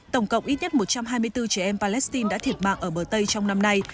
tổng cộng ít nhất một trăm hai mươi bốn trẻ em palestine đã thiệt mạng ở bờ tây trong năm nay